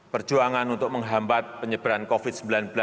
perjuangan untuk menghambat penyebaran covid sembilan belas